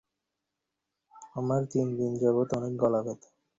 আমার তিন দিন যাবত অনেক গলা ব্যথা।